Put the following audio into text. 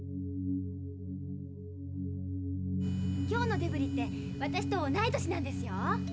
今日のデブリって私と同い年なんですよ。